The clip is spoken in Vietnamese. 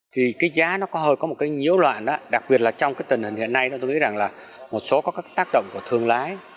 thì cái giá nó có hơi có một cái nhiễu loạn đó đặc biệt là trong cái tình hình hiện nay tôi nghĩ rằng là một số có các tác động của thương lái